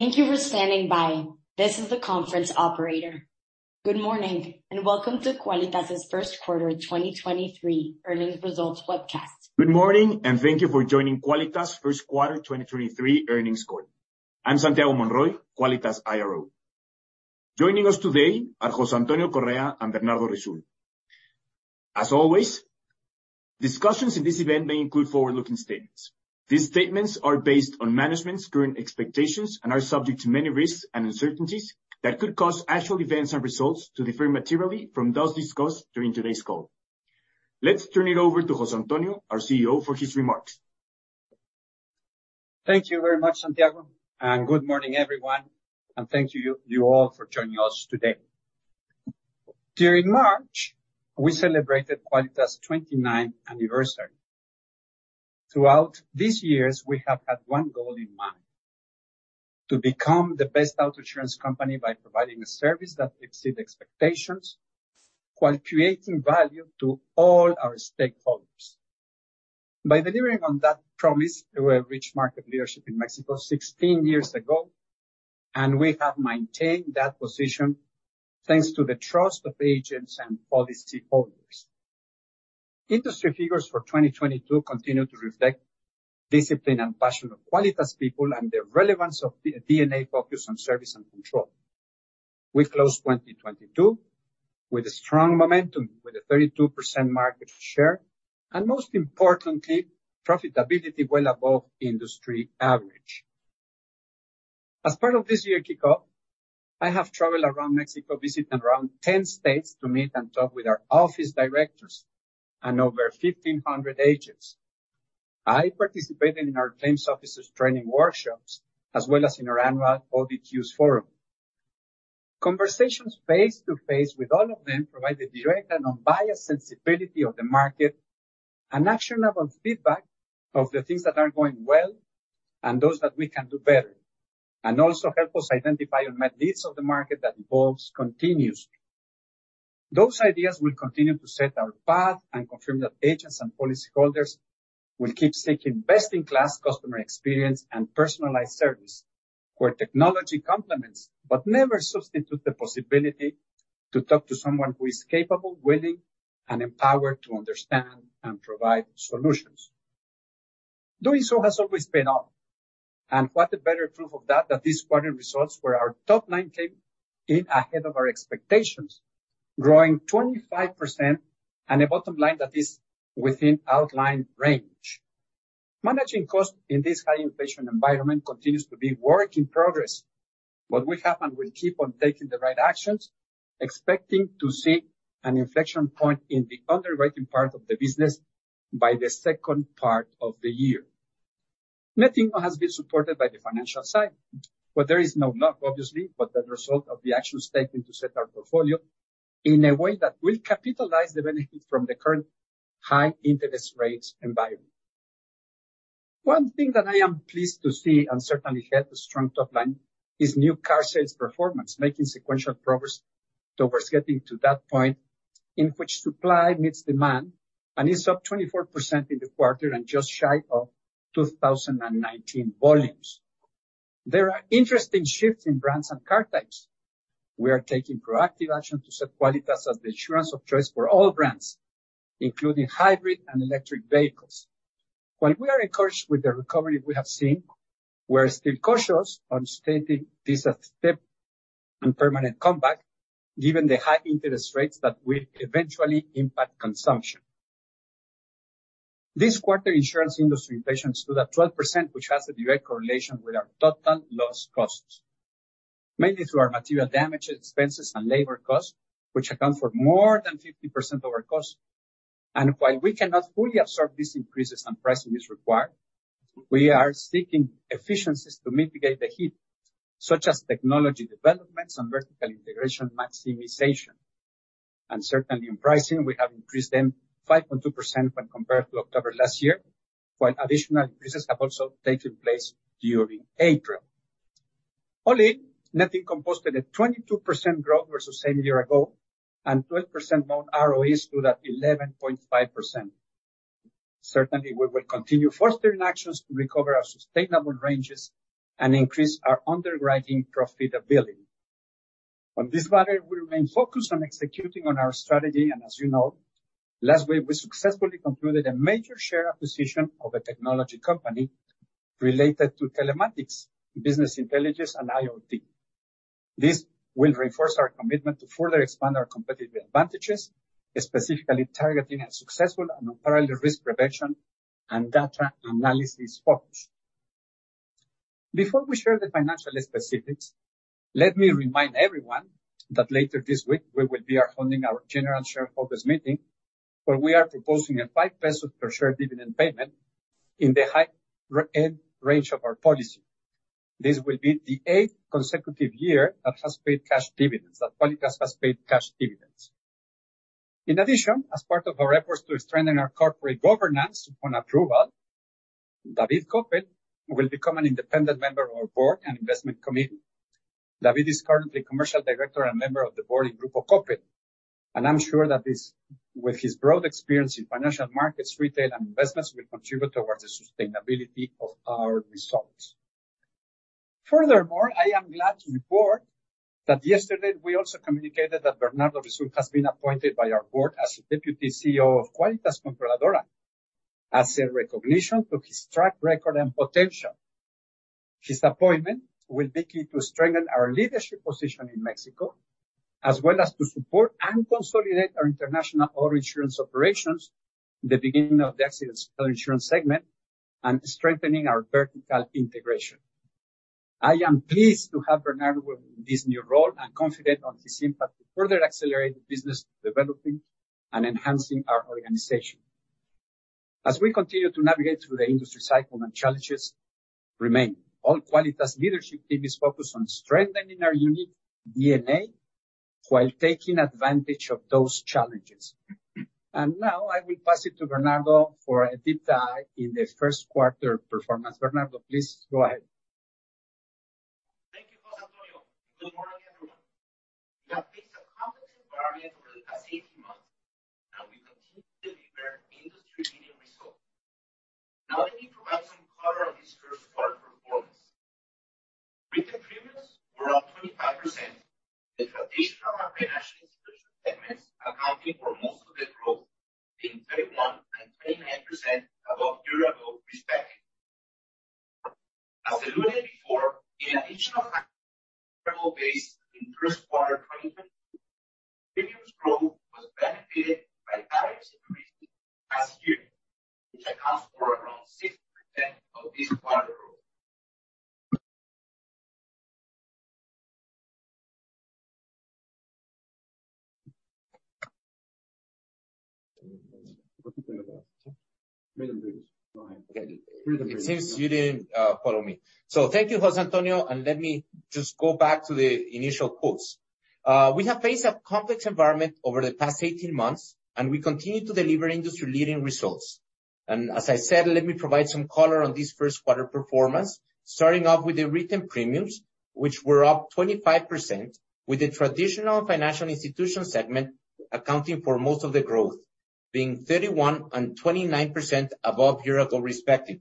Thank you for standing by. This is the Conference Operator. Good morning, and welcome to Quálitas' first quarter 2023 earnings results webcast. Good morning. Thank you for joining Quálitas' 1st quarter 2023 earnings call. I'm Santiago Monroy, Quálitas IRO. Joining us today are José Antonio Correa and Bernardo Risoul. As always, discussions in this event may include forward-looking statements. These statements are based on management's current expectations and are subject to many risks and uncertainties that could cause actual events and results to differ materially from those discussed during today's call. Let's turn it over to José Antonio, our CEO, for his remarks. Thank you very much, Santiago, good morning, everyone, and thank you all for joining us today. During March, we celebrated Quálitas' 29th Anniversary. Throughout these years, we have had one goal in mind, to become the best auto insurance company by providing a service that exceeds expectations while creating value to all our stakeholders. By delivering on that promise, we have reached market leadership in Mexico 16 years ago, and we have maintained that position thanks to the trust of agents and policyholders. Industry figures for 2022 continue to reflect discipline and passion of Quálitas people and the relevance of the DNA focus on service and control. We closed 2022 with a strong momentum with a 32% market share and, most importantly, profitability well above industry average. As part of this year kick-off, I have traveled around Mexico, visiting around 10 states to meet and talk with our Office Directors and over 1,500 agents. I participated in our claims officers training workshops, as well as in our annual ODTQs forum. Conversations face-to-face with all of them provided direct and unbiased sensibility of the market and actionable feedback of the things that are going well and those that we can do better and also help us identify unmet needs of the market that evolves continuously. Those ideas will continue to set our path and confirm that agents and policyholders will keep seeking best-in-class customer experience and personalized service, where technology complements but never substitute the possibility to talk to someone who is capable, willing, and empowered to understand and provide solutions. Doing so has always paid off. What a better proof of that than this quarter results where our top line came in ahead of our expectations, growing 25% and a bottom line that is within outlined range. Managing costs in this high inflation environment continues to be work in progress. What will happen, we'll keep on taking the right actions, expecting to see an inflection point in the underwriting part of the business by the second part of the year. Nothing has been supported by the financial side, but there is no knock, obviously, but the result of the actions taken to set our portfolio in a way that will capitalize the benefit from the current high interest rates environment. One thing that I am pleased to see, certainly had a strong top line, is new car sales performance, making sequential progress towards getting to that point in which supply meets demand and is up 24% in the quarter and just shy of 2019 volumes. There are interesting shifts in brands and car types. We are taking proactive action to set Quálitas as the insurance of choice for all brands, including hybrid and electric vehicles. While we are encouraged with the recovery we have seen, we're still cautious on stating this a step in permanent comeback, given the high interest rates that will eventually impact consumption. This quarter, insurance industry patients stood at 12%, which has a direct correlation with our total loss costs, mainly through our material damages, expenses, and labor costs, which account for more than 50% of our costs. While we cannot fully absorb these increases and pricing is required, we are seeking efficiencies to mitigate the hit, such as technology developments and vertical integration maximization. Certainly in pricing, we have increased them 5.2% when compared to October last year, while additional increases have also taken place during April. Only net income posted a 22% growth versus same year ago and 12% more ROE stood at 11.5%. Certainly, we will continue fostering actions to recover our sustainable ranges and increase our underwriting profitability. On this matter, we remain focused on executing on our strategy. As you know, last week, we successfully concluded a major share acquisition of a technology company related to telematics, business intelligence, and IoT. This will reinforce our commitment to further expand our competitive advantages, specifically targeting a successful and unparalleled risk prevention and data analysis focus. Before we share the financial specifics, let me remind everyone that later this week, we will be holding our general shareholders meeting, where we are proposing a 5 peso per share dividend payment in the high-end range of our policy. This will be the eighth consecutive year that Quálitas has paid cash dividends. In addition, as part of our efforts to strengthen our corporate governance on approval, David Coppel will become an independent member of our board and investment committee. David is currently Commercial Director and member of the board in Grupo Coppel, and I'm sure that with his broad experience in financial markets, retail, and investments, will contribute towards the sustainability of our results. Furthermore, I am glad to report that yesterday we also communicated that Bernardo Risoul has been appointed by our Board as the Deputy CEO of Quálitas Controladora as a recognition to his track record and potential. His appointment will be key to strengthen our leadership position in Mexico, as well as to support and consolidate our international auto insurance operations, the beginning of the accident insurance segment, and strengthening our vertical integration. I am pleased to have Bernardo with this new role and confident on his impact to further accelerate business development and enhancing our organization. As we continue to navigate through the industry cycle and challenges remain, all Quálitas leadership team is focused on strengthening our unique DNA while taking advantage of those challenges. Now, I will pass it to Bernardo for a deep dive in the first quarter performance. Bernardo, please go ahead. Thank you, José Antonio. Good morning, everyone. We have faced a complex environment over the past 18 months, and we continue to deliver industry-leading results. Let me provide some color on this first quarter performance. Written premiums were up 25%, with traditional and financial institution segments accounting for most of the growth being 31% and 29% above year-ago respective. In addition of having a low comparable base in first quarter of 2022, premiums growth was benefited by tariff increases last year, which accounts for around 60% of this quarter growth. It seems you didn't follow me. Thank you, José Antonio. Let me just go back to the initial quotes. We have faced a complex environment over the past 18 months, and we continue to deliver industry-leading results. As I said, let me provide some color on this first quarter performance, starting off with the written premiums, which were up 25%, with the traditional financial institution segment accounting for most of the growth, being 31% and 29% above year-ago respective.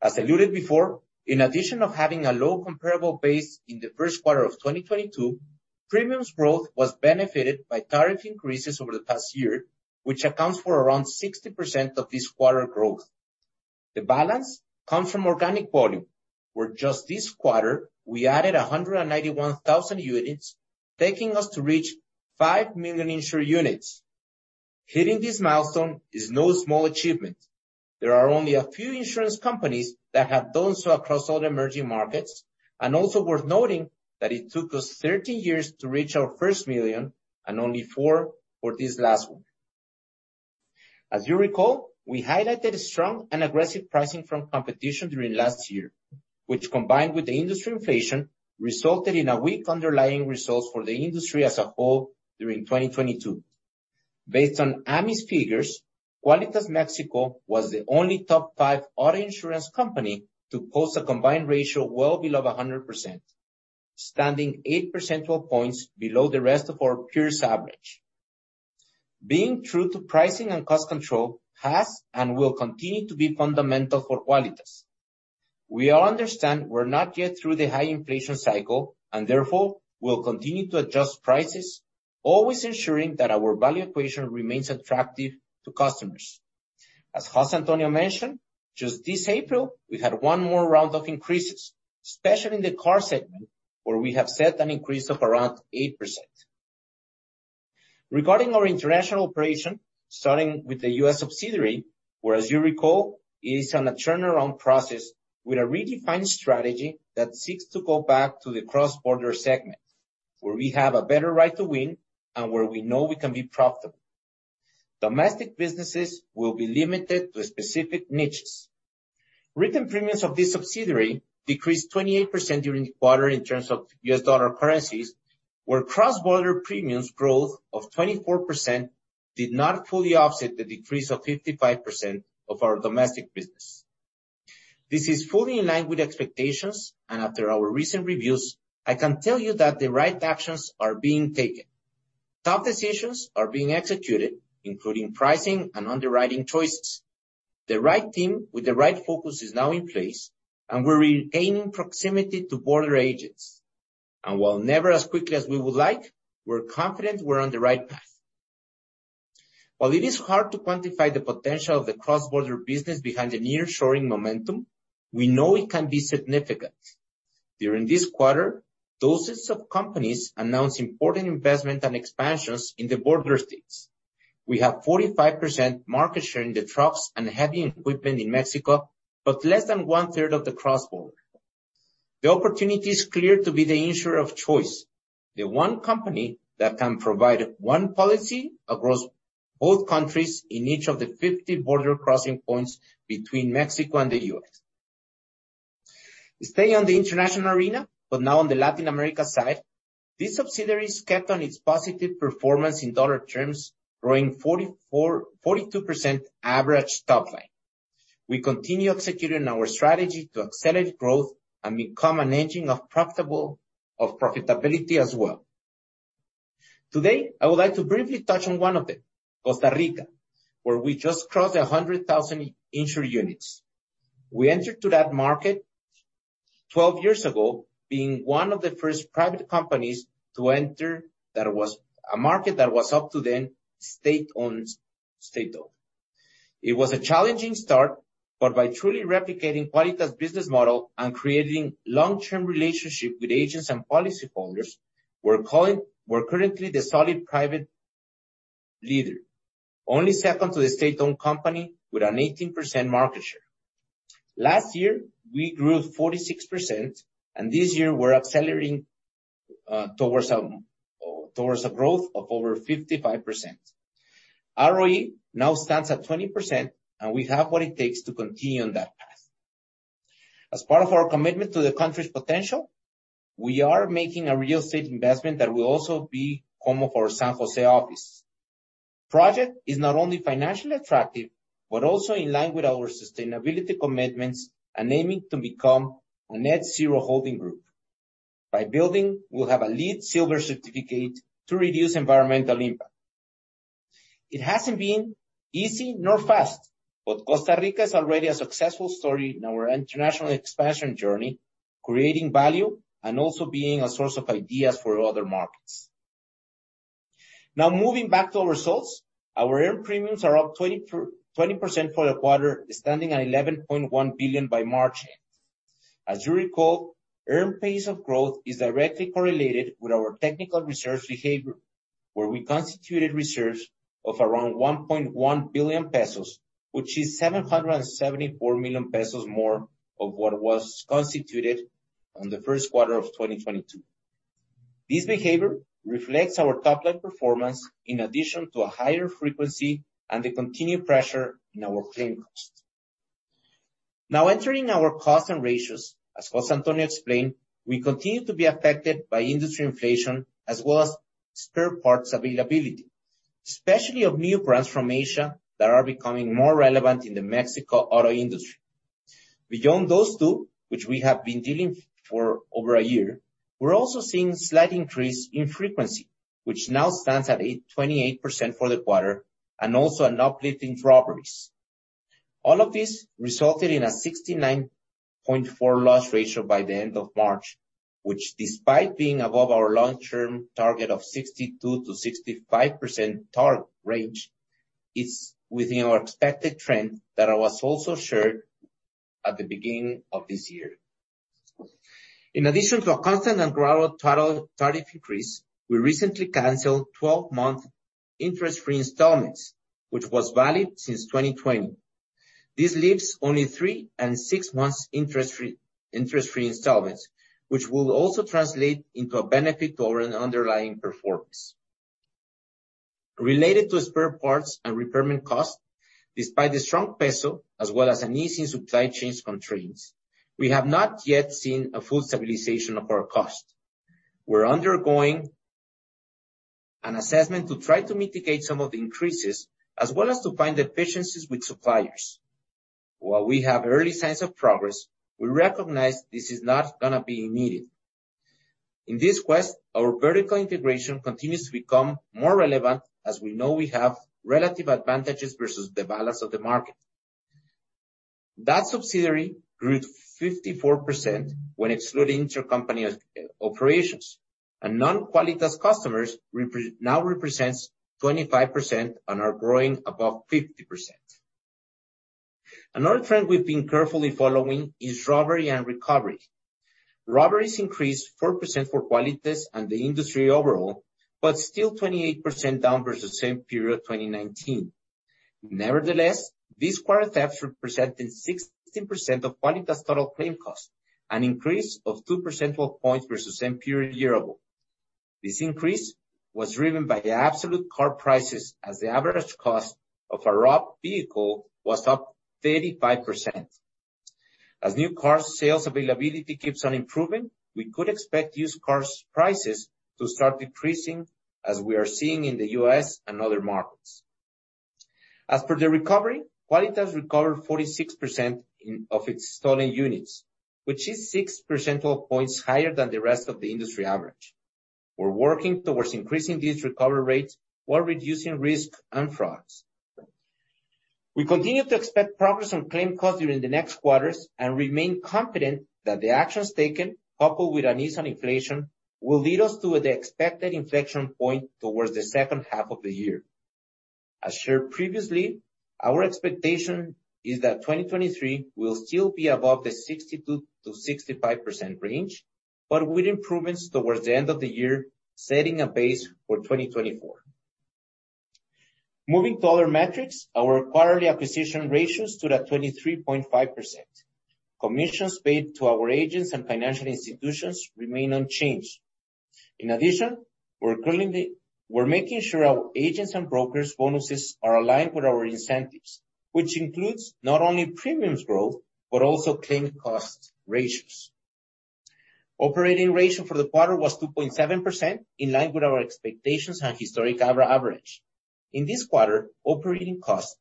As alluded before, in addition of having a low comparable base in the first quarter of 2022, premiums growth was benefited by tariff increases over the past year, which accounts for around 60% of this quarter growth. The balance come from organic volume, where just this quarter we added 191,000 units, taking us to reach five million insured units. Hitting this milestone is no small achievement. There are only a few insurance companies that have done so across all the emerging markets, and also worth noting that it took us 13 years to reach our first million and only four for this last one. As you recall, we highlighted strong and aggressive pricing from competition during last year, which combined with the industry inflation, resulted in a weak underlying results for the industry as a whole during 2022. Based on AMIS figures, Quálitas México was the only top five auto insurance company to post a combined ratio well below 100%, standing 8 percentile points below the rest of our peers' average. Being true to pricing and cost control has and will continue to be fundamental for Quálitas. We all understand we're not yet through the high inflation cycle, and therefore, we'll continue to adjust prices, always ensuring that our value equation remains attractive to customers. As José Antonio mentioned, just this April, we had one more round of increases, especially in the Car segment, where we have set an increase of around 8%. Regarding our international operation, starting with the U.S. subsidiary, where as you recall, it is on a turnaround process with a redefined strategy that seeks to go back to the cross-border segment, where we have a better right to win and where we know we can be profitable. Domestic businesses will be limited to specific niches. Written premiums of this subsidiary decreased 28% during the quarter in terms of U.S.D currencies, where cross-border premiums growth of 24% did not fully offset the decrease of 55% of our domestic business. This is fully in line with expectations, and after our recent reviews, I can tell you that the right actions are being taken. Top decisions are being executed, including pricing and underwriting choices. The right team with the right focus is now in place, and we're regaining proximity to border agents. While never as quickly as we would like, we're confident we're on the right path. While it is hard to quantify the potential of the cross-border business behind the nearshoring momentum, we know it can be significant. During this quarter, dozens of companies announced important investment and expansions in the border states. We have 45% market share in the trucks and heavy equipment in Mexico, but less than 1/3 of the cross-border. The opportunity is clear to be the insurer of choice, the one company that can provide one policy across both countries in each of the 50 border crossing points between Mexico and the U.S. On the international arena, now on the Latin America side, this subsidiary has kept on its positive performance in dollar terms, growing 44%, 42% average top line. We continue executing our strategy to accelerate growth and become an engine of profitability as well. Today, I would like to briefly touch on one of them, Costa Rica, where we just crossed 100,000 insured units. We entered to that market 12 years ago, being one of the first private companies to enter that was a market that was up to then state-owned. It was a challenging start, but by truly replicating Quálitas business model and creating long-term relationship with agents and policyholders, we're currently the solid private leader, only second to the state-owned company with an 18% market share. Last year, we grew 46%, and this year we're accelerating towards a growth of over 55%. ROE now stands at 20%, and we have what it takes to continue on that path. As part of our commitment to the country's potential, we are making a real estate investment that will also be home for San José office. Project is not only financially attractive, but also in line with our sustainability commitments and aiming to become a net zero holding group. By building, we'll have a LEED Silver certificate to reduce environmental impact. It hasn't been easy nor fast, Costa Rica is already a successful story in our international expansion journey, creating value and also being a source of ideas for other markets. Moving back to our results, our earned premiums are up 20% for the quarter, standing at 11.1 billion by March end. As you recall, earned pace of growth is directly correlated with our technical reserves behavior, where we constituted reserves of around 1.1 billion pesos, which is 774 million pesos more of what was constituted on the first quarter of 2022. This behavior reflects our top line performance in addition to a higher frequency and the continued pressure in our claim costs. Now entering our cost and ratios, as José Antonio Correa explained, we continue to be affected by industry inflation as well as spare parts availability, especially of new brands from Asia that are becoming more relevant in the Mexico auto industry. Beyond those two, which we have been dealing for over a year, we're also seeing slight increase in frequency, which now stands at 28% for the quarter, and also an uplifting properties. All of this resulted in a 69.4% loss ratio by the end of March, which despite being above our long-term target of 62%-65% target range, is within our expected trend that I was also shared at the beginning of this year. In addition to a constant and gradual total tariff increase, we recently canceled 12-month interest-free installments, which was valid since 2020. This leaves only three and six months interest-free installments, which will also translate into a benefit over an underlying performance. Related to spare parts and repairment costs, despite the strong peso as well as an ease in supply chains constraints, we have not yet seen a full stabilization of our costs. We're undergoing an assessment to try to mitigate some of the increases, as well as to find efficiencies with suppliers. While we have early signs of progress, we recognize this is not gonna be immediate. In this quest, our vertical integration continues to become more relevant as we know we have relative advantages versus the balance of the market. That subsidiary grew 54% when excluding intercompany operations, and non-Quálitas customers now represents 25% and are growing above 50%. Another trend we've been carefully following is robbery and recovery. Robberies increased 4% for Quálitas and the industry overall, but still 28% down versus same period 2019. Nevertheless, these quarter thefts represented 16% of Quálitas total claim cost, an increase of 2 percentile points versus same period year over. This increase was driven by the absolute car prices as the average cost of a robbed vehicle was up 35%. As new car sales availability keeps on improving, we could expect used cars prices to start decreasing as we are seeing in the U.S. and other markets. As per the recovery, Quálitas recovered 46% of its stolen units, which is 6 percentile points higher than the rest of the industry average. We're working towards increasing these recovery rates while reducing risk and frauds. We continue to expect progress on claim costs during the next quarters and remain confident that the actions taken, coupled with an ease on inflation, will lead us to the expected inflection point towards the second half of the year. As shared previously, our expectation is that 2023 will still be above the 62%-65% range, but with improvements towards the end of the year, setting a base for 2024. Moving to other metrics, our quarterly acquisition ratios stood at 23.5%. Commissions paid to our agents and financial institutions remain unchanged. In addition, we're making sure our agents and brokers bonuses are aligned with our incentives, which includes not only premiums growth, but also claim costs ratios. Operating ratio for the quarter was 2.7%, in line with our expectations and historic average. In this quarter, operating costs,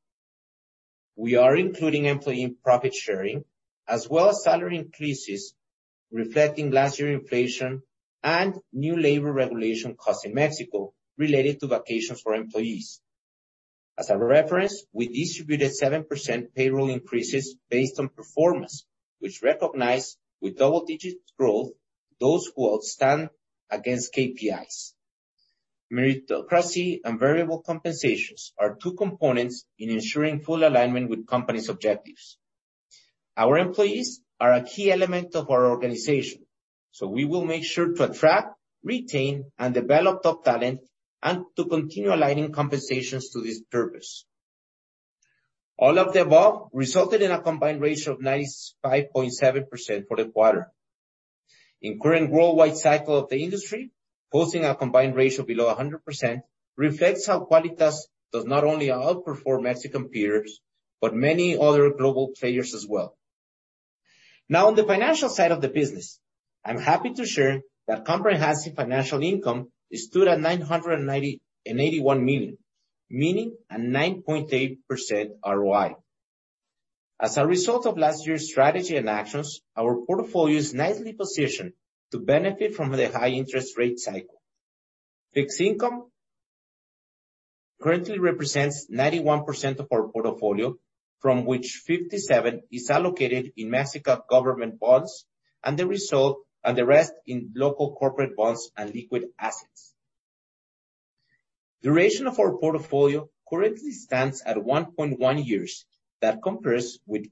we are including employee profit sharing as well as salary increases reflecting last year inflation and new labor regulation costs in Mexico related to vacations for employees. As a reference, we distributed 7% payroll increases based on performance, which recognize with double-digit growth those who outstand against KPIs. Meritocracy and variable compensations are two components in ensuring full alignment with company's objectives. Our employees are a key element of our organization, so we will make sure to attract, retain, and develop top talent and to continue aligning compensations to this purpose. All of the above resulted in a combined ratio of 95.7% for the quarter. In current worldwide cycle of the industry, posting a combined ratio below 100% reflects how Quálitas does not only outperform Mexican peers, but many other global players as well. Now, on the financial side of the business, I'm happy to share that comprehensive financial income stood at 990.81 million, meaning a 9.8% ROI. As a result of last year's strategy and actions, our portfolio is nicely positioned to benefit from the high interest rate cycle. Fixed income currently represents 91% of our portfolio, from which 57% is allocated in Mexican government bonds and the rest in local corporate bonds and liquid assets. Duration of our portfolio currently stands at 1.1 years. That compares with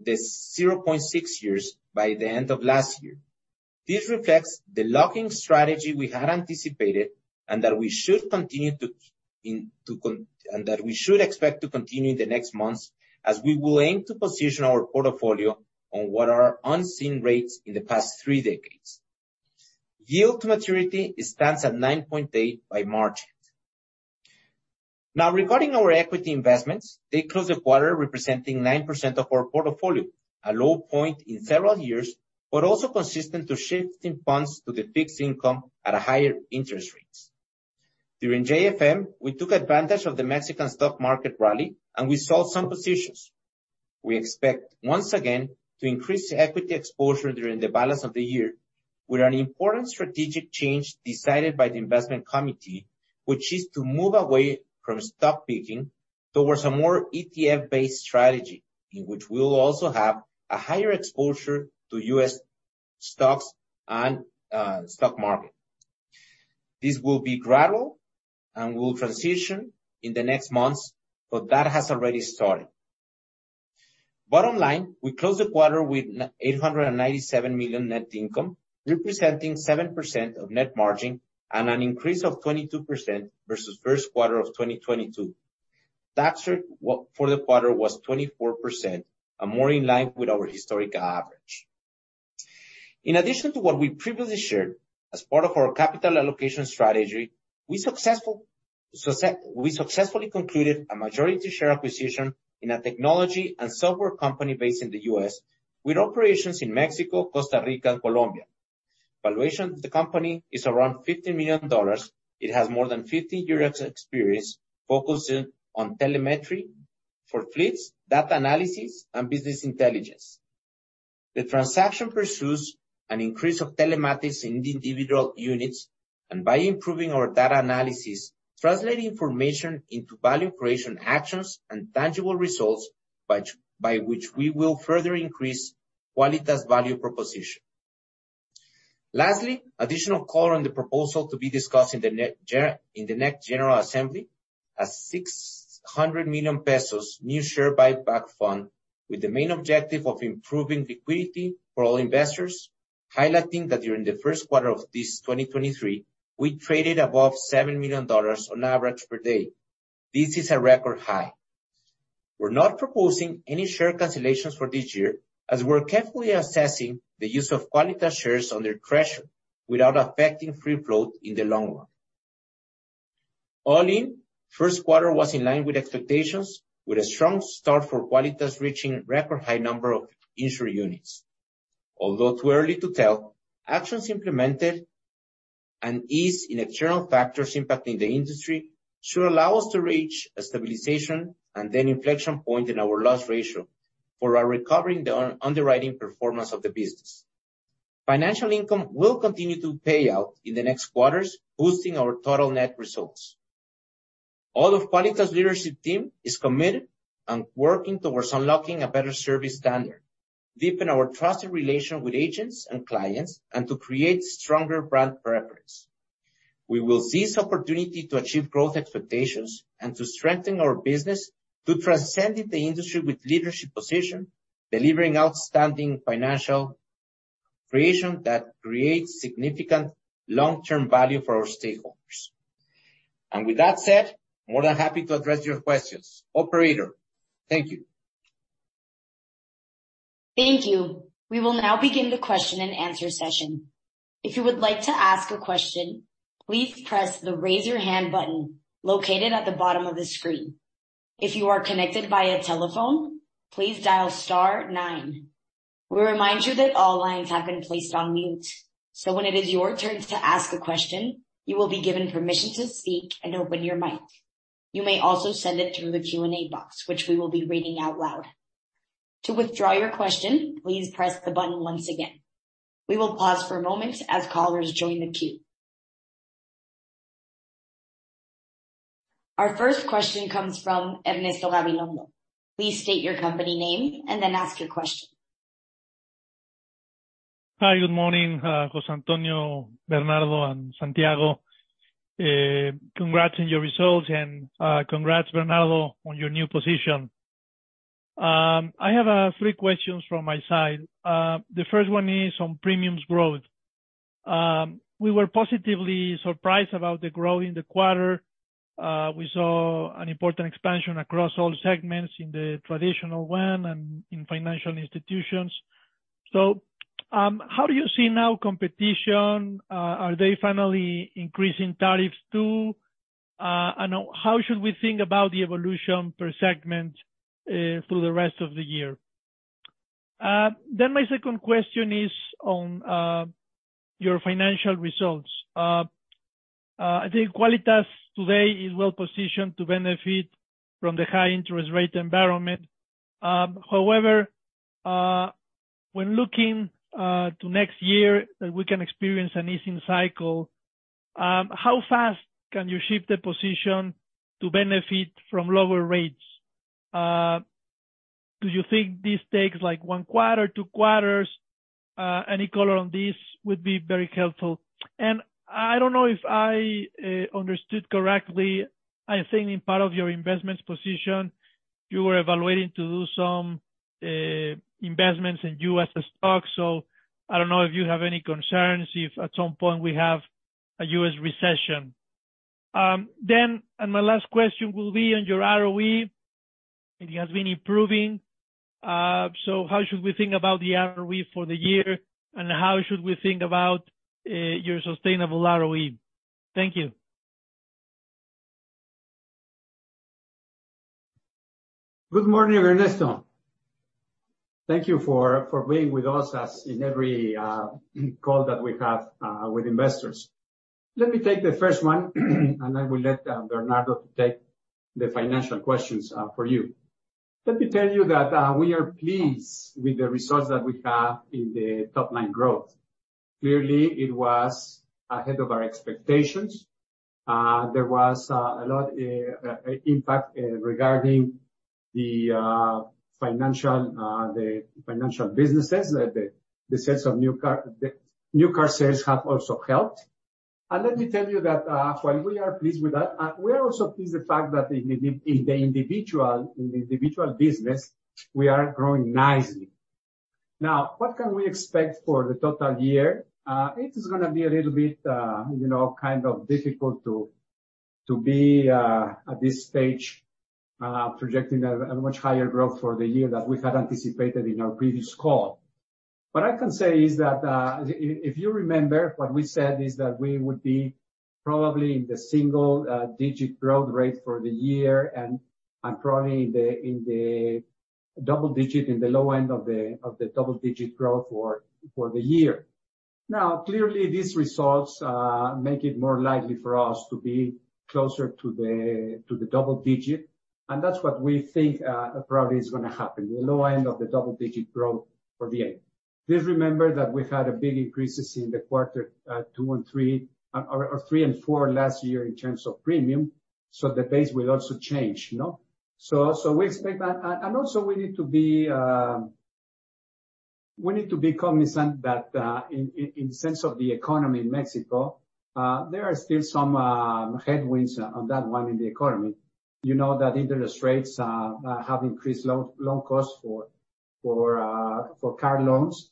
the 0.6 years by the end of last year. This reflects the locking strategy we had anticipated and that we should expect to continue the next months as we will aim to position our portfolio on what are unseen rates in the past three decades. Yield to maturity stands at 9.8 by margins. Regarding our equity investments, they closed the quarter representing 9% of our portfolio, a low point in several years, but also consistent to shifting funds to the fixed income at a higher interest rates. During JFM, we took advantage of the Mexican stock market rally, and we sold some positions. We expect once again to increase equity exposure during the balance of the year with an important strategic change decided by the investment committee, which is to move away from stock picking towards a more ETF-based strategy, in which we'll also have a higher exposure to U.S. stocks and stock market. This will be gradual and will transition in the next months, but that has already started. Bottom line, we closed the quarter with 897 million net income, representing 7% of net margin and an increase of 22% versus first quarter of 2022. Tax rate for the quarter was 24% and more in line with our historic average. In addition to what we previously shared, as part of our capital allocation strategy, we successfully concluded a majority share acquisition in a technology and software company based in the U.S. with operations in Mexico, Costa Rica, and Colombia. Valuation of the company is around $50 million. It has more than 50 years experience focusing on telemetry for fleets, data analysis, and business intelligence. The transaction pursues an increase of telematics in the individual units and by improving our data analysis, translating information into value creation actions and tangible results which, by which we will further increase Quálitas' value proposition. Lastly, additional call on the proposal to be discussed in the next general assembly, a 600 million pesos new share buyback fund with the main objective of improving liquidity for all investors, highlighting that during the first quarter of this 2023, we traded above $7 million on average per day. This is a record high. We're not proposing any share cancellations for this year, as we're carefully assessing the use of Quálitas shares under treasure without affecting free float in the long run. All in, first quarter was in line with expectations with a strong start for Quálitas reaching record high number of insured units. Although too early to tell, actions implemented and ease in external factors impacting the industry should allow us to reach a stabilization and then inflection point in our loss ratio for our recovering the underwriting performance of the business. Financial income will continue to pay out in the next quarters, boosting our total net results. All of Quálitas Leadership team is committed and working towards unlocking a better service standard, deepen our trusted relation with agents and clients, and to create stronger brand preference. We will seize opportunity to achieve growth expectations and to strengthen our business to transcending the industry with leadership position, delivering outstanding financial creation that creates significant long-term value for our stakeholders. With that said, more than happy to address your questions. Operator. Thank you. Thank you. We will now begin the question and answer session. If you would like to ask a question, please press the Raise Your Hand button located at the bottom of the screen. If you are connected via telephone, please dial star nine. We remind you that all lines have been placed on mute, so when it is your turn to ask a question, you will be given permission to speak and open your mic. You may also send it through the Q&A box, which we will be reading out loud. To withdraw your question, please press the button once again. We will pause for a moment as callers join the queue. Our first question comes from Ernesto Gabilondo. Please state your company name and then ask your question. Hi, good morning, José Antonio, Bernardo, and Santiago. Congrats on your results and congrats, Bernardo, on your new position. I have three questions from my side. The first one is on premiums growth. We were positively surprised about the growth in the quarter. We saw an important expansion across all segments in the traditional one and in financial institutions. How do you see now competition? Are they finally increasing tariffs too? How should we think about the evolution per segment through the rest of the year? My second question is on your financial results. I think Quálitas today is well positioned to benefit from the high interest rate environment. However, when looking to next year, that we can experience an easing cycle, how fast can you shift the position to benefit from lower rates? Do you think this takes like one quarter, two quarters? Any color on this would be very helpful. I don't know if I understood correctly. I think in part of your investments position, you were evaluating to do some investments in U.S. stocks. I don't know if you have any concerns, if at some point we have a U.S. recession. My last question will be on your ROE. It has been improving. How should we think about the ROE for the year, and how should we think about your sustainable ROE? Thank you. Good morning, Ernesto. Thank you for being with us as in every call that we have with investors. Let me take the first one. I will let Bernardo to take the financial questions for you. Let me tell you that we are pleased with the results that we have in the top-line growth. Clearly, it was ahead of our expectations. There was a lot impact regarding the financial businesses. New car sales have also helped. Let me tell you that while we are pleased with that, we are also pleased with the fact that in the individual business, we are growing nicely. What can we expect for the total year? It is gonna be a little bit, you know, kind of difficult to be at this stage, projecting a much higher growth for the year that we had anticipated in our previous call. What I can say is that if you remember, what we said is that we would be probably in the single-digit growth rate for the year, and probably in the double-digit, in the low end of the double-digit growth for the year. Clearly, these results make it more likely for us to be closer to the double-digit, and that's what we think probably is gonna happen, the low end of the double-digit growth for the year. Please remember that we've had a big increases in the quarter, two and three or three and four last year in terms of premium, so the base will also change, you know. We expect that. Also we need to be cognizant that in sense of the economy in Mexico, there are still some headwinds on that one in the economy. You know that interest rates have increased loan costs for car loans,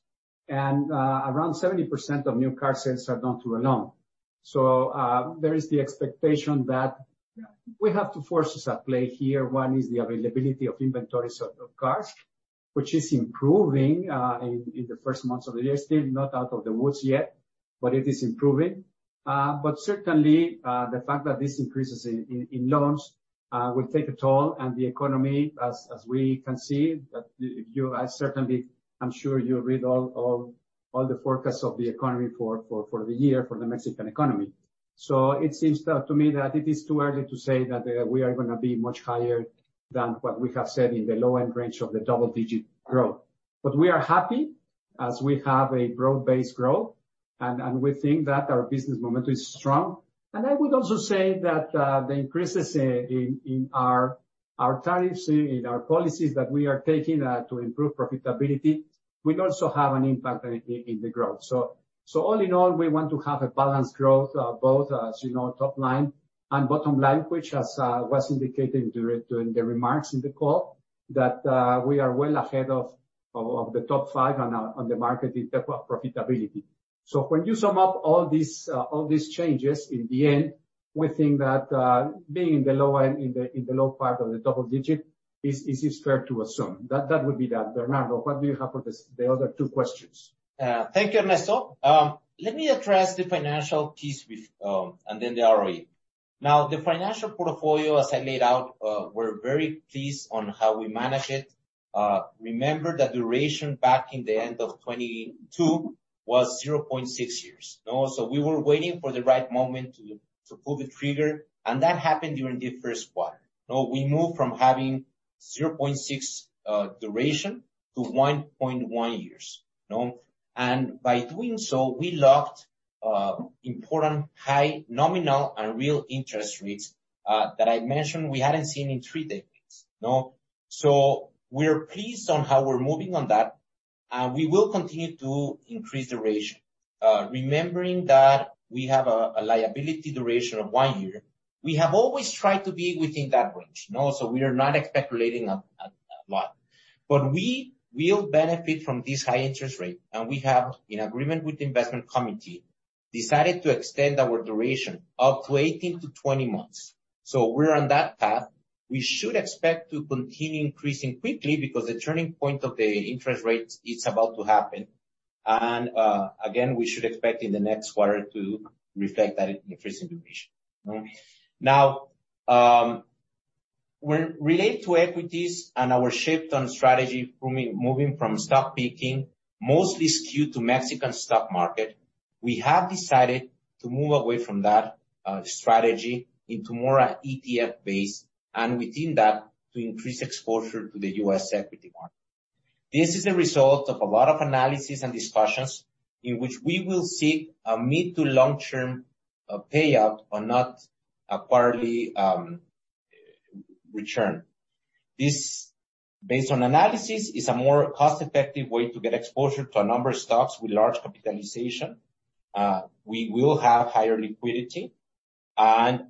and around 70% of new car sales are done through a loan. There is the expectation that we have two forces at play here. One is the availability of inventories of cars, which is improving in the first months of the year. Still not out of the woods yet, but it is improving. Certainly, the fact that this increases in loans will take a toll on the economy as we can see. That if you have certainly, I'm sure you read all the forecasts of the economy for the year, for the Mexican economy. It seems to me that it is too early to say that we are gonna be much higher than what we have said in the low end range of the double-digit growth. We are happy as we have a broad-based growth and we think that our business momentum is strong. I would also say that the increases in our tariffs, in our policies that we are taking to improve profitability will also have an impact in the growth. All in all, we want to have a balanced growth, both as you know, top line and bottom line, which as was indicated during the remarks in the call, that we are well ahead of the top five on the market in profitability. When you sum up all these changes, in the end, we think that being in the low end, in the low part of the double-digits is fair to assume. That would be that. Bernardo Risoul, what do you have for this the other two questions? Thank you, Ernesto. Let me address the financial piece with, and then the ROE. The financial portfolio, as I laid out, we're very pleased on how we manage it. Remember the duration back in the end of 2022 was 0.6 years, you know. We were waiting for the right moment to pull the trigger, and that happened during the first quarter. We moved from having 0.6 duration to 1.1 years, you know. By doing so, we locked important high nominal and real interest rates that I mentioned we hadn't seen in three decades, you know. We're pleased on how we're moving on that, and we will continue to increase the duration. Remembering that we have a liability duration of one year, we have always tried to be within that range, you know, we are not speculating a lot. We will benefit from this high interest rate, and we have, in agreement with the investment committee, decided to extend our duration up to 18-20 months. We're on that path. We should expect to continue increasing quickly because the turning point of the interest rates is about to happen. Again, we should expect in the next quarter to reflect that increase in duration. Now, when relate to equities and our shift on strategy from moving from stock picking, mostly skewed to Mexican stock market, we have decided to move away from that strategy into more ETF-based, and within that, to increase exposure to the U.S. equity market. This is a result of a lot of analysis and discussions in which we will seek a mid to long-term payout, but not a quarterly return. This, based on analysis, is a more cost-effective way to get exposure to a number of stocks with large capitalization. We will have higher liquidity, and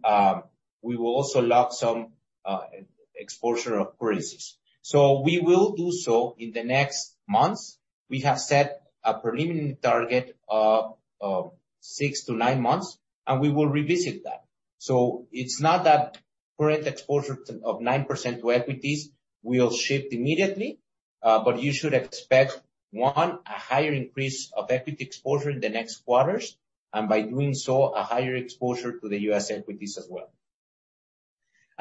we will also lock some exposure of currencies. We will do so in the next months. We have set a preliminary target of six to nine months, and we will revisit that. It's not that current exposure of 9% to equities will shift immediately, but you should expect, one, a higher increase of equity exposure in the next quarters, and by doing so, a higher exposure to the U.S. equities as well.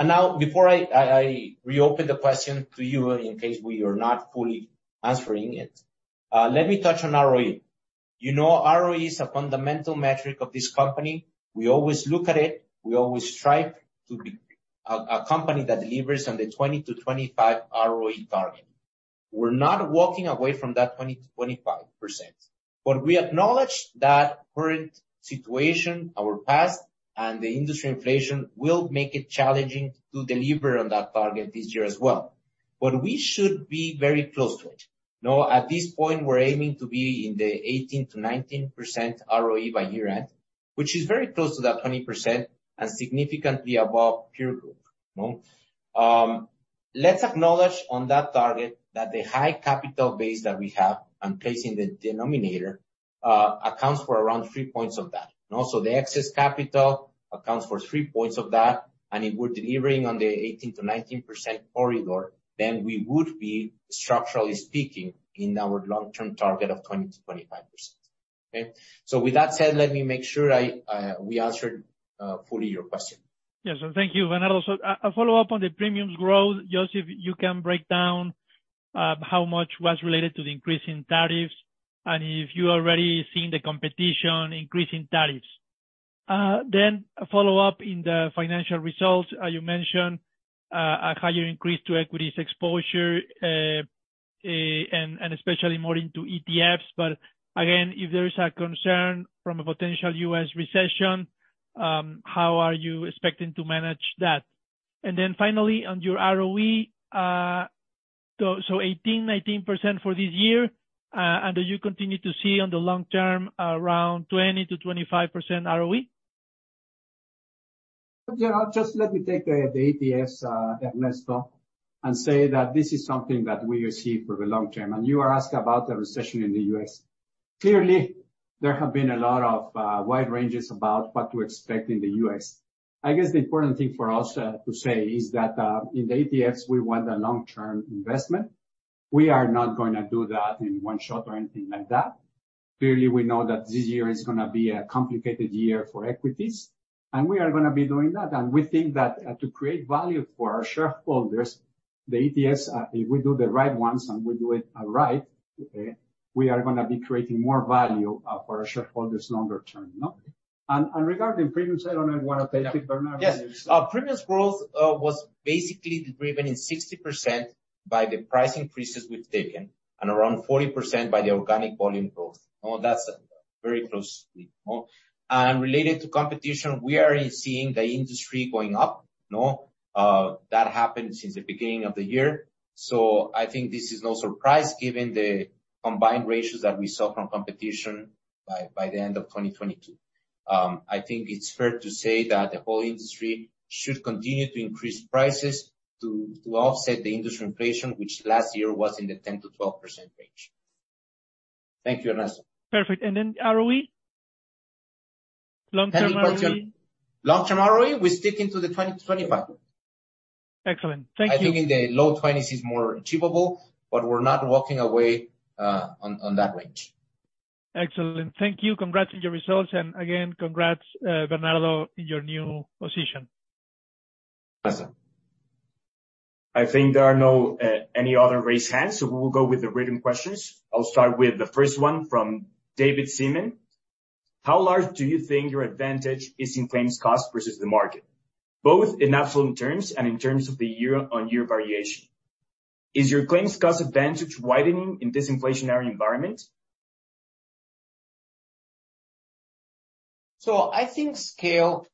Now, before I reopen the question to you in case we are not fully answering it, let me touch on ROE. You know, ROE is a fundamental metric of this company. We always look at it. We always strive to be a company that delivers on the 20%-25% ROE target. We're not walking away from that 20%-25%. We acknowledge that current situation, our past, and the industry inflation will make it challenging to deliver on that target this year as well. We should be very close to it. You know, at this point, we're aiming to be in the 18%-19% ROE by year-end, which is very close to that 20% and significantly above peer group, you know. Let's acknowledge on that target that the high capital base that we have, I'm placing the denominator, accounts for around three points of that. The excess capital accounts for three points of that. If we're delivering on the 18%-19% corridor, we would be structurally speaking in our long-term target of 20%-25%. Okay? With that said, let me make sure I we answered fully your question. Thank you, Bernardo. A follow-up on the premiums growth, Joseph, you can break down how much was related to the increase in tariffs and if you already seen the competition increase in tariffs. A follow-up in the financial results. You mentioned a higher increase to equities exposure and especially more into ETFs. Again, if there is a concern from a potential U.S. recession, how are you expecting to manage that? Finally, on your ROE, so 18%-19% for this year, and do you continue to see on the long-term around 20%-25% ROE? Yeah. Just let me take the ETFs, Ernesto, say that this is something that we receive for the long term. You are asking about the recession in the U.S. Clearly, there have been a lot of wide ranges about what to expect in the U.S. I guess the important thing for us to say is that in the ETFs, we want a long-term investment. We are not gonna do that in one shot or anything like that. Clearly, we know that this year is gonna be a complicated year for equities, and we are gonna be doing that. We think that to create value for our shareholders, the ETFs, if we do the right ones and we do it right, okay, we are gonna be creating more value for our shareholders longer term, you know. Regarding premiums, I don't know if you wanna take it, Bernardo. Yes. premiums growth was basically driven in 60% by the price increases we've taken and around 40% by the organic volume growth. You know, that's very close, you know. Related to competition, we are seeing the industry going up, you know. That happened since the beginning of the year. I think this is no surprise given the combined ratios that we saw from competition by the end of 2022. I think it's fair to say that the whole industry should continue to increase prices to offset the industry inflation, which last year was in the 10%-12% range. Thank you, Ernesto. Perfect. ROE? Long-term ROE? Long-term ROE, we're sticking to the 20%-25%. Excellent. Thank you. I think in the low 20s is more achievable. We're not walking away on that range. Excellent. Thank you. Congrats on your results. Again, congrats, Bernardo, in your new position. Awesome. I think there are no any other raised hands, we will go with the written questions. I'll start with the first one from David Seaman. How large do you think your advantage is in claims cost versus the market, both in absolute terms and in terms of the year-on-year variation? Is your claims cost advantage widening in this inflationary environment? I think scale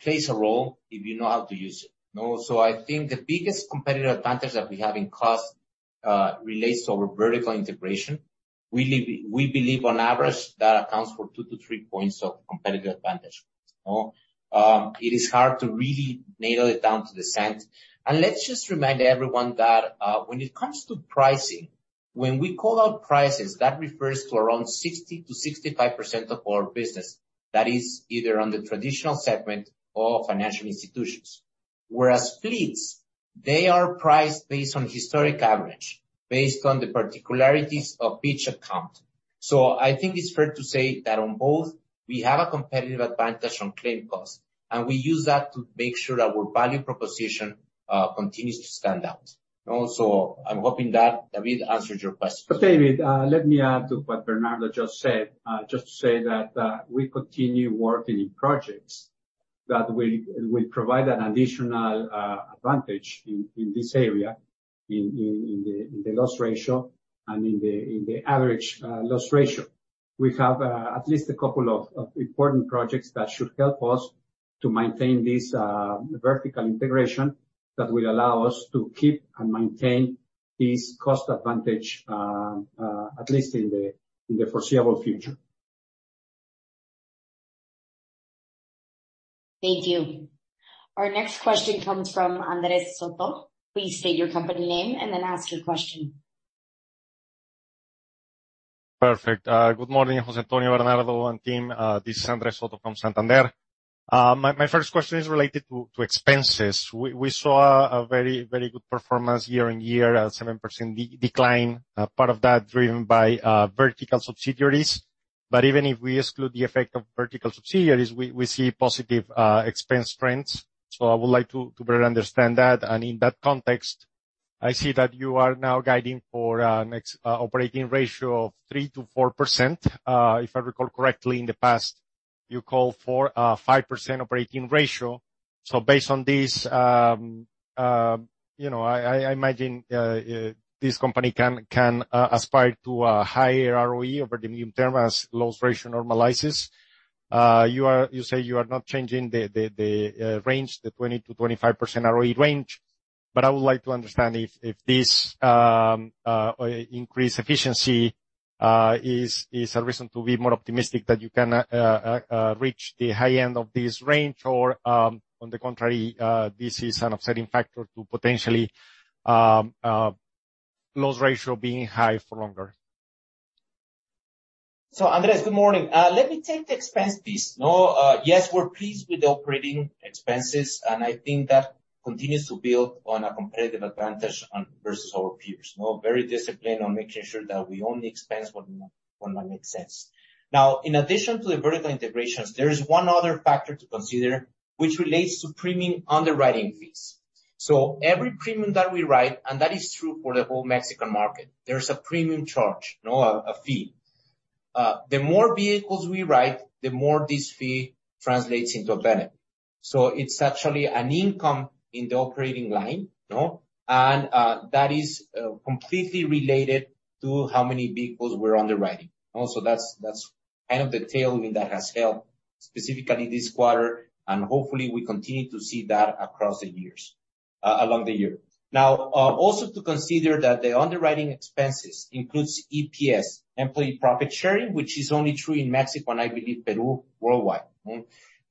plays a role if you know how to use it. You know? I think the biggest competitive advantage that we have in cost relates to our vertical integration. We believe on average that accounts for two to three points of competitive advantage. You know? It is hard to really nail it down to the cent. Let's just remind everyone that when it comes to pricing, when we call out prices, that refers to around 60% to 65% of our business. That is either on the traditional segment or financial institutions. Whereas fleets, they are priced based on historic average, based on the particularities of each account. I think it's fair to say that on both, we have a competitive advantage on claim cost, and we use that to make sure that our value proposition continues to stand out. You know? I'm hoping that, David, answers your question. David, let me add to what Bernardo just said, just to say that we continue working in projects that will provide an additional advantage in this area, in the loss ratio and in the average loss ratio. We have at least a couple of important projects that should help us to maintain this vertical integration that will allow us to keep and maintain this cost advantage at least in the foreseeable future. Thank you. Our next question comes from Andrés Soto. Please state your company name and then ask your question. Perfect. Good morning, José Antonio, Bernardo, and team. This is Andrés Soto from Santander. My first question is related to expenses. We saw a very good performance year-over-year at 7% decline, part of that driven by vertical subsidiaries. Even if we exclude the effect of vertical subsidiaries, we see positive expense trends. I would like to better understand that. In that context, I see that you are now guiding for a next operating ratio of 3%-4%. If I recall correctly, in the past, you called for a 5% operating ratio. Based on this, you know, I imagine this company can aspire to a higher ROE over the medium term as loss ratio normalizes. You say you are not changing the range, the 20%-25% ROE range. I would like to understand if this increased efficiency is a reason to be more optimistic that you can reach the high end of this range or, on the contrary, this is an upsetting factor to potentially loss ratio being high for longer. Andrés, good morning. Let me take the expense piece. You know. Yes, we're pleased with the operating expenses, and I think that continues to build on a competitive advantage on, versus our peers. You know. Very disciplined on making sure that we only expense what might make sense. Now, in addition to the vertical integrations, there is one other factor to consider which relates to premium underwriting fees. Every premium that we write, and that is true for the whole Mexican market, there is a premium charge, you know, a fee. The more vehicles we write, the more this fee translates into a benefit. It's actually an income in the operating line, you know. That is completely related to how many vehicles we're underwriting, you know. That's kind of the tailwind that has helped specifically this quarter, and hopefully we continue to see that across the years, along the year. Also to consider that the underwriting expenses includes EPS, employee profit sharing, which is only true in Mexico and I believe Peru worldwide.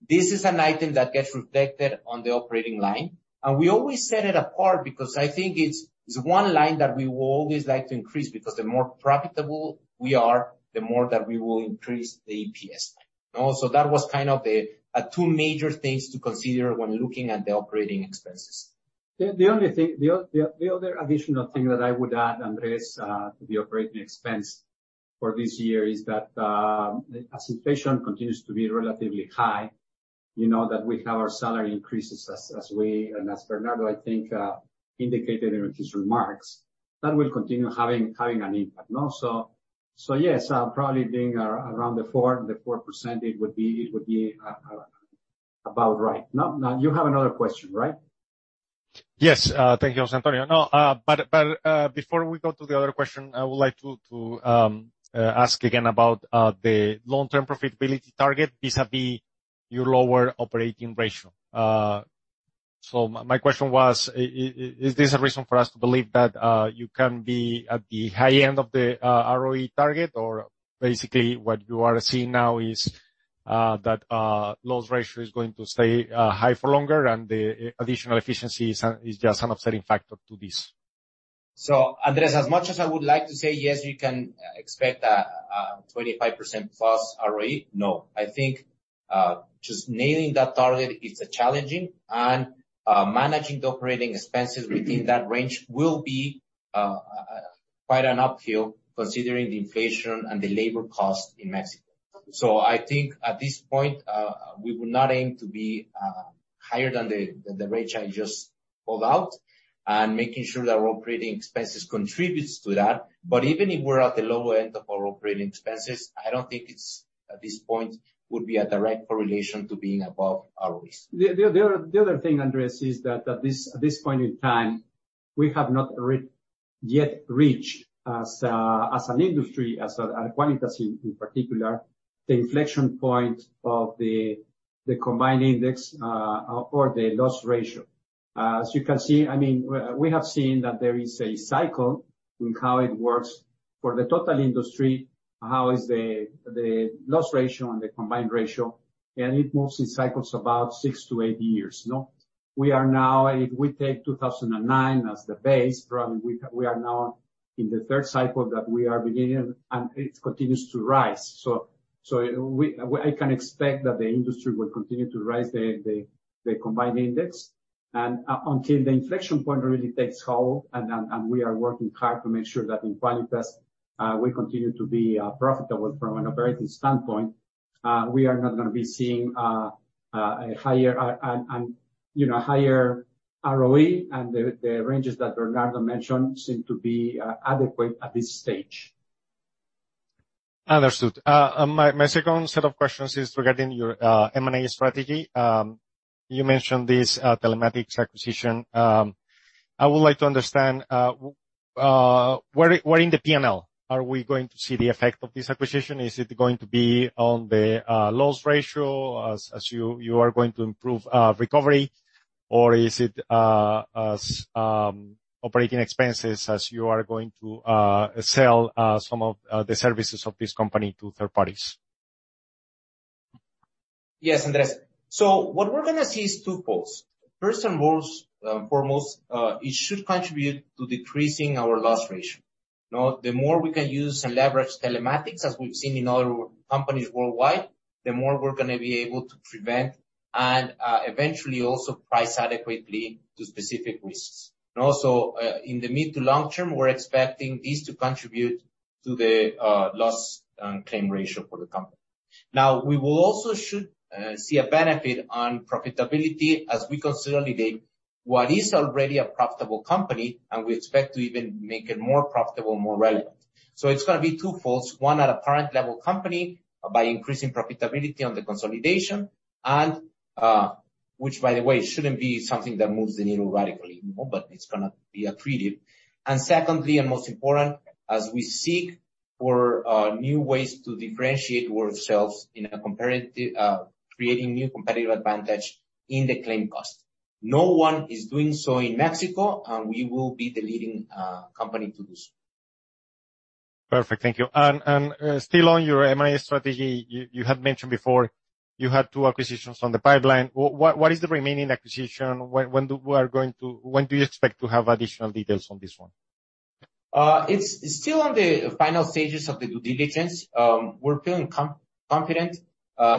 This is an item that gets reflected on the operating line. We always set it apart because I think it's one line that we will always like to increase, because the more profitable we are, the more that we will increase the EPS line. You know? That was kind of the two major things to consider when looking at the operating expenses. The only thing, the other additional thing that I would add, Andrés, to the operating expense for this year is that, as inflation continues to be relatively high, you know that we have our salary increases as we and as Bernardo, I think, indicated in his remarks, that will continue having an impact. You know? Yes, probably being around the 4%, the 4%, it would be, it would be about right. You have another question, right? Yes. Thank you, José Antonio. No, before we go to the other question, I would like to ask again about the long-term profitability target vis-a-vis your lower operating ratio. My question was, is this a reason for us to believe that you can be at the high end of the ROE target? Basically what you are seeing now is that loss ratio is going to stay high for longer and the additional efficiency is just an upsetting factor to this? Andrés, as much as I would like to say yes, you can expect a 25% plus ROE, no. I think just nailing that target is challenging, and managing the operating expenses within that range will be quite an uphill considering the inflation and the labor cost in Mexico. I think at this point, we will not aim to be higher than the rate I just pulled out and making sure that our operating expenses contributes to that. Even if we're at the lower end of our operating expenses, I don't think it's, at this point, would be a direct correlation to being above ROE. The other thing, Andrés, is that at this point in time, we have not yet reached as an industry, as Quálitas in particular, the inflection point of the combined index or the loss ratio. As you can see, I mean, we have seen that there is a cycle in how it works for the total industry. How is the loss ratio and the combined ratio, and it moves in cycles about six to eight years, no? We are now, if we take 2009 as the base, probably we are now in the third cycle that we are beginning, and it continues to rise. I can expect that the industry will continue to rise, the combined index and until the inflection point really takes hold, and we are working hard to make sure that in Quálitas, we continue to be profitable from an operating standpoint. We are not gonna be seeing a higher, and, you know, higher ROE, and the ranges that Bernardo mentioned seem to be adequate at this stage. Understood. My second set of questions is regarding your M&A strategy. You mentioned this telematics acquisition. I would like to understand where in the P&L are we going to see the effect of this acquisition? Is it going to be on the loss ratio as you are going to improve recovery? Or is it as operating expenses as you are going to sell some of the services of this company to third parties? Yes, Andres. What we're gonna see is two folds. First and most foremost, it should contribute to decreasing our loss ratio. You know, the more we can use and leverage telematics, as we've seen in other companies worldwide, the more we're gonna be able to prevent and eventually also price adequately to specific risks. Also, in the mid to long term, we're expecting this to contribute to the loss and claim ratio for the company. We will also should see a benefit on profitability as we consolidate what is already a profitable company, and we expect to even make it more profitable, more relevant. It's gonna be two folds. One, at a parent level company by increasing profitability on the consolidation and, which by the way shouldn't be something that moves the needle radically, you know, but it's gonna be accretive. Secondly, and most important, as we seek for new ways to differentiate ourselves in a competitive, creating new competitive advantage in the claim cost. No one is doing so in Mexico, and we will be the leading company to do so. Perfect. Thank you. Still on your M&A strategy. You had mentioned before you had two acquisitions on the pipeline. What is the remaining acquisition? When do you expect to have additional details on this one? It's still on the final stages of the due diligence. We're feeling confident.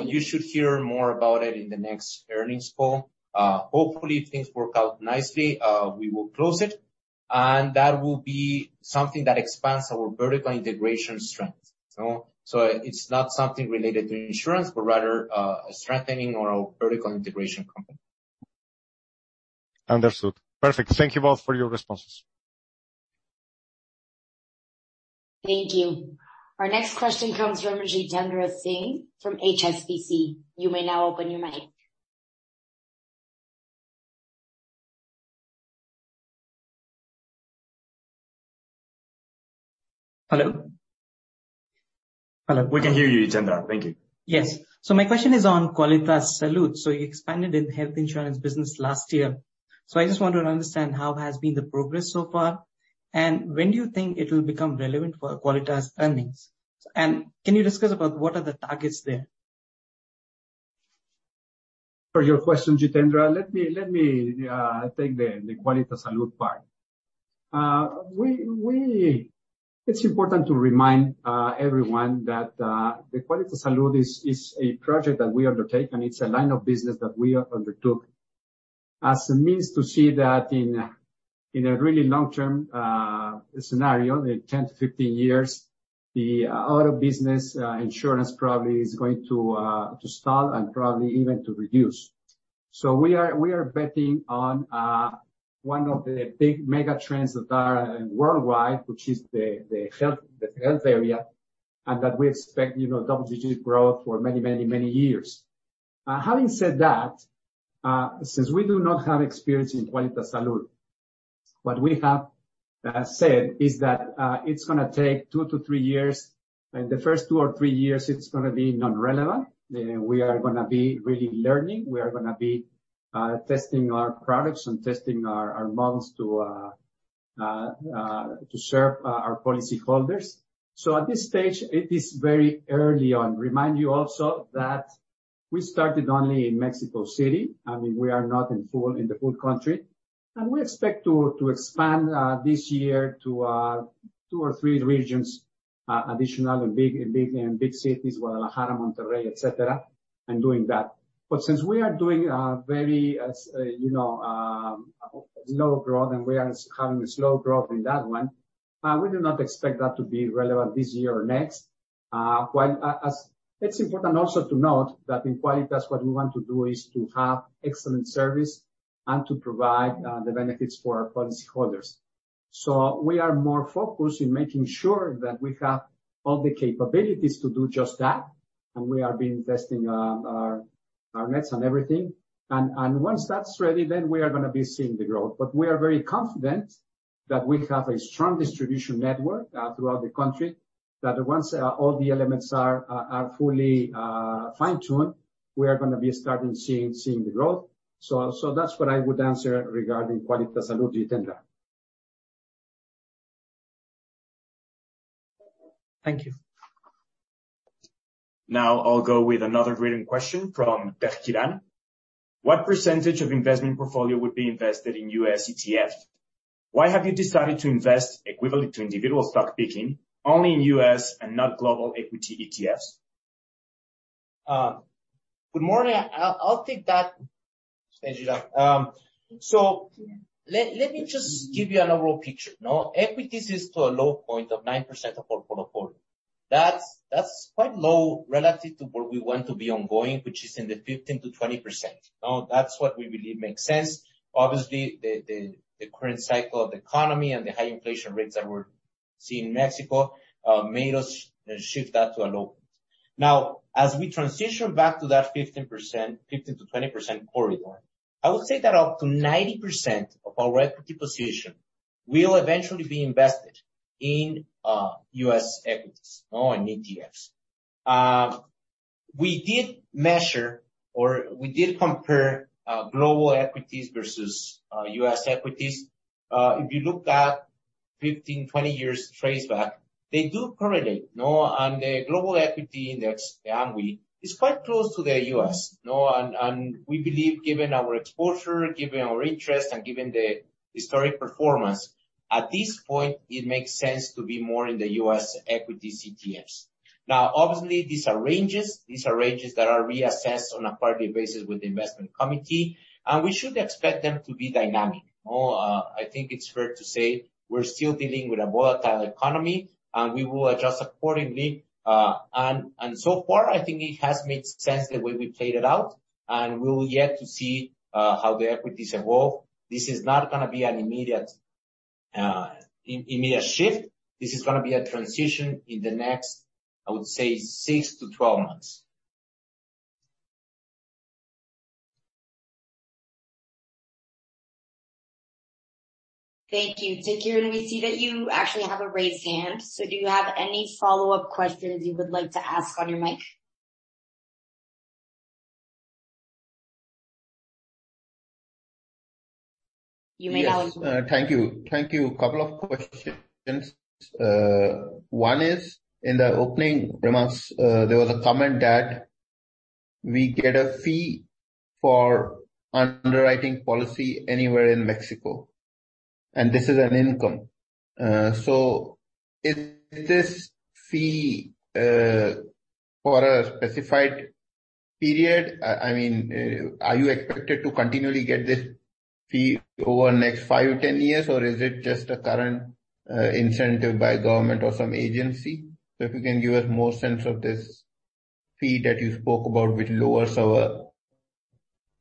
You should hear more about it in the next earnings call. Hopefully, if things work out nicely, we will close it, and that will be something that expands our vertical integration strength. No? It's not something related to insurance, but rather, strengthening our vertical integration company. Understood. Perfect. Thank you both for your responses. Thank you. Our next question comes from Jitendra Singh from HSBC. You may now open your mic. Hello? Hello. We can hear you, Jitendra. Thank you. Yes. My question is on Quálitas Salud. You expanded in health insurance business last year. I just want to understand how has been the progress so far, and when do you think it will become relevant for Quálitas earnings? Can you discuss about what are the targets there? For your question, Jitendra, let me take the Quálitas Salud part. It's important to remind everyone that Quálitas Salud is a project that we undertake, and it's a line of business that we undertook as a means to see that in a really long-term scenario, in 10-15 years, the auto business insurance probably is going to stall and probably even to reduce. We are betting on one of the big mega trends that are worldwide, which is the health area, and that we expect, you know, double-digit growth for many years. Having said that, since we do not have experience in Quálitas Salud, what we have said is that it's gonna take two to three years. In the first two or three years, it's gonna be non-relevant. We are gonna be really learning. We are gonna be testing our products and testing our models to to serve our policyholders. At this stage, it is very early on. Remind you also that we started only in Mexico City. I mean, we are not in full in the full country. We expect to expand this year to two or three regions additional and big cities, Guadalajara, Monterrey, et cetera, and doing that. Since we are doing a very, as you know, low growth, and we are having a slow growth in that one, we do not expect that to be relevant this year or next. It's important also to note that in Quálitas what we want to do is to have excellent service and to provide the benefits for our policyholders. We are more focused in making sure that we have all the capabilities to do just that, and we are investing our nets on everything. Once that's ready, then we are gonna be seeing the growth. We are very confident that we have a strong distribution network throughout the country, that once all the elements are fully fine-tuned, we are gonna be starting seeing the growth. That's what I would answer regarding Quálitas Salud, Jitendra. Thank you. Now I'll go with another written question from Tejkiran. What percentage of investment portfolio would be invested in U.S. ETF? Why have you decided to invest equivalent to individual stock picking only in U.S. and not global equity ETFs? Good morning. I'll take that, Tejkiran. Let me just give you an overall picture. Equities is to a low point of 9% of our portfolio. That's quite low relative to where we want to be ongoing, which is in the 15%-20%. That's what we believe makes sense. Obviously, the current cycle of the economy and the high inflation rates that we're seeing in Mexico made us shift that to a low point. As we transition back to that 15%, 15%-20% corridor, I would say that up to 90% of our equity position will eventually be invested in U.S. equities, you know, in ETFs. We did measure or we did compare global equities versus U.S. equities. If you look at 15, 20 years trace back, they do correlate, you know. The global equity index, the AQWI, is quite close to the U.S., you know. We believe given our exposure, given our interest, and given the historic performance, at this point it makes sense to be more in the U.S. equity ETFs. Obviously, these are ranges. These are ranges that are reassessed on a quarterly basis with the investment committee, and we should expect them to be dynamic. You know, I think it's fair to say we're still dealing with a volatile economy, and we will adjust accordingly. So far, I think it has made sense the way we played it out, and we will yet to see how the equities evolve. This is not gonna be an immediate shift. This is gonna be a transition in the next, I would say six to 12 months. Thank you. Tejkiran, we see that you actually have a raised hand. Do you have any follow-up questions you would like to ask on your mic? You may now. Yes. Thank you. Thank you. Couple of questions. One is, in the opening remarks, there was a comment that we get a fee for underwriting policy anywhere in Mexico. This is an income. Is this fee for a specified period? I mean, are you expected to continually get this fee over the next five to 10 years, or is it just a current incentive by government or some agency? If you can give us more sense of this fee that you spoke about, which lowers our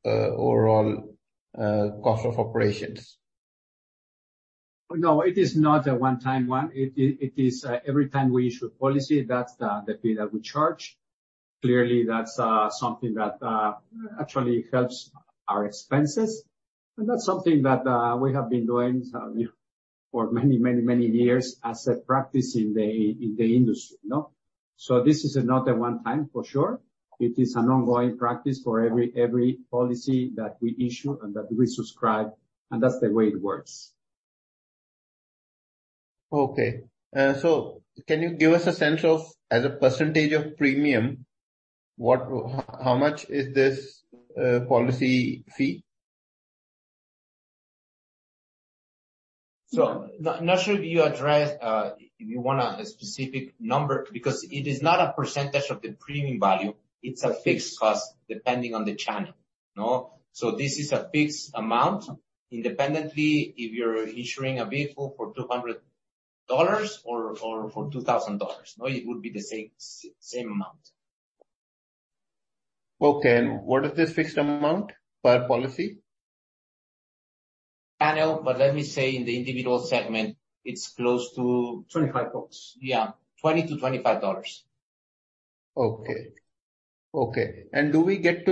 overall cost of operations. No, it is not a one-time one. It is every time we issue a policy, that's the fee that we charge. Clearly, that's something that actually helps our expenses. That's something that we have been doing for many years as a practice in the industry. You know? This is not a one time for sure. It is an ongoing practice for every policy that we issue and that we subscribe, and that's the way it works. Okay. Can you give us a sense of, as a percentage of premium, what, how much is this policy fee? Not sure if you address, if you want a specific number because it is not a percentage of the premium value. It's a fixed cost depending on the channel. You know? This is a fixed amount independently if you're insuring a vehicle for $200 or for $2,000. You know, it would be the same amount. Okay. What is this fixed amount per policy? I know, but let me say in the individual segment, it's close to... $25. Yeah. $20-$25. Okay. Okay. Do we get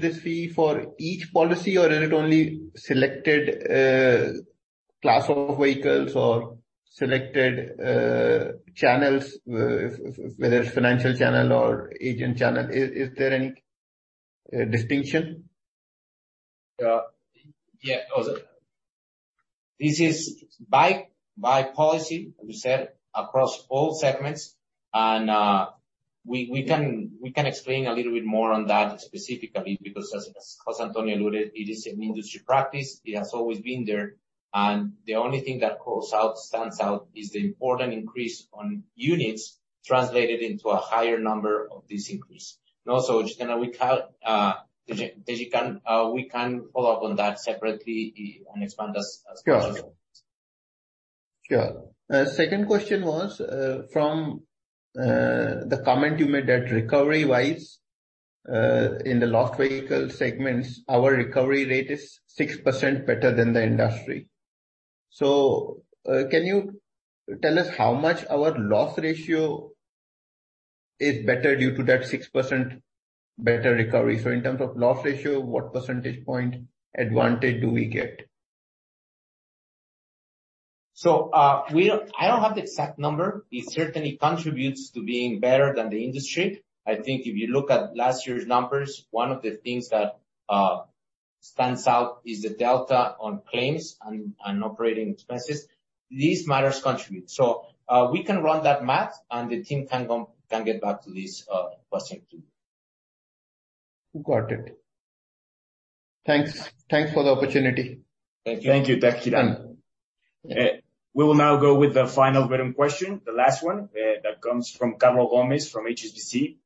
this fee for each policy or is it only selected class of vehicles or selected channels, whether it's financial channel or agent channel? Is there any distinction? Yeah. Oh, is it? This is by policy, as you said, across all segments. We can explain a little bit more on that specifically because as José Antonio alluded, it is an industry practice. It has always been there. The only thing that stands out is the important increase on units translated into a higher number of this increase. Also, just gonna we count, Tejkiran, we can follow up on that separately and expand as much as we can. Sure. Sure. Second question was from the comment you made that recovery-wise, in the lost vehicle segments, our recovery rate is 6% better than the industry. Can you tell us how much our loss ratio is better due to that 6% better recovery? In terms of loss ratio, what percentage point advantage do we get? I don't have the exact number. It certainly contributes to being better than the industry. I think if you look at last year's numbers, one of the things that stands out is the delta on claims and operating expenses. These matters contribute. We can run that math, and the team can get back to this question to you. Got it. Thanks. Thanks for the opportunity. Thank you. Thank you, Tejkiran. We will now go with the final written question, the last one, that comes from Carlos Gomez-Lopez from HSBC.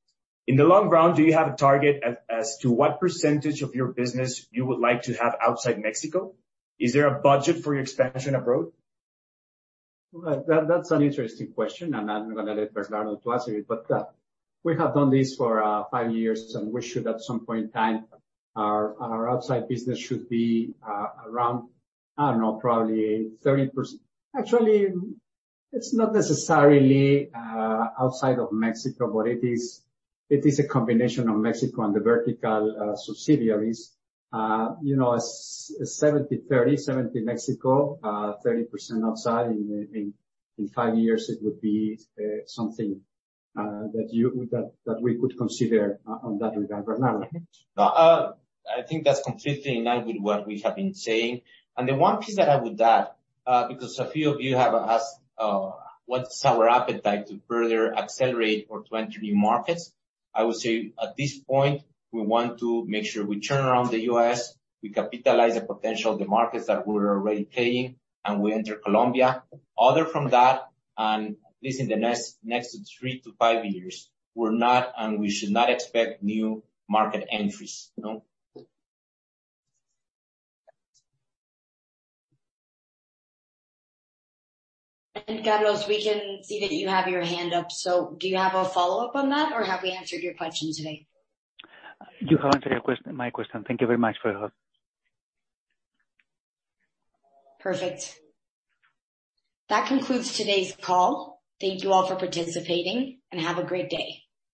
In the long run, do you have a target as to what percentage of your business you would like to have outside Mexico? Is there a budget for your expansion abroad? Well, that's an interesting question, and I'm gonna let Bernardo to answer it. We have done this for five years, and we should, at some point in time, our outside business should be around, I don't know, probably 30%. Actually, it's not necessarily outside of Mexico, but it is a combination of Mexico and the vertical subsidiaries. You know, 70/30. 70 Mexico, 30% outside. In five years it would be something that we could consider on that regard. Bernardo. No, I think that's completely in line with what we have been saying. The one piece that I would add, because a few of you have asked, what's our appetite to further accelerate or to enter new markets. I would say at this point, we want to make sure we turn around the U.S., we capitalize the potential of the markets that we're already playing, and we enter Colombia. Other from that, and at least in the next three to five years, we're not and we should not expect new market entries. No. Carlos, we can see that you have your hand up. Do you have a follow-up on that, or have we answered your question today? You have answered my question. Thank you very much for your help. Perfect. That concludes today's call. Thank you all for participating, and have a great day.